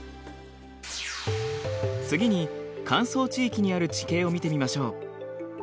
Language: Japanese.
次に乾燥地域にある地形を見てみましょう。